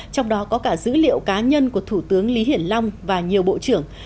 trong đó có cả dữ liệu cá nhân của thủ tướng lý hiển long và nhiều bộ trưởng